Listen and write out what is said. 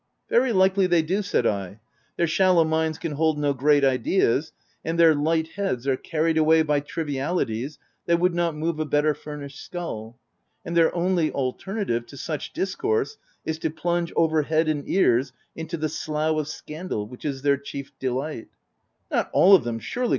" Very likely they do, v said I :" their shal low minds can hold no great ideas, and their light heads are carried away by trivialities, that would not move a better furnished skull ;— and their only alternative to such discourse, is to plunge over head of ears into the slough of scandal— which is their chief delight/' " Not all of them surely?"